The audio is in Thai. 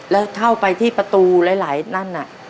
แล้วเข้าไปที่ประตูหลายนั่นน่ะ